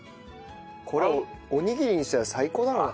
これおにぎりにしたら最高だな。